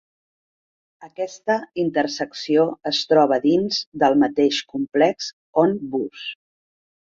Aquesta intersecció es troba dins del mateix complex on Bus.